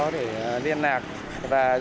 để điện cho anh em chúng tôi